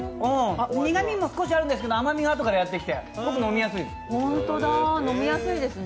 苦みも少しあるんですけど、甘みがあとからやってきて飲みやすいです。